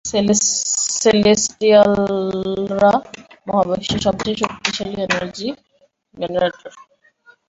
সেলেস্টিয়ালরা মহাবিশ্বে সবচেয়ে শক্তিশালী এনার্জি জেনারেটর।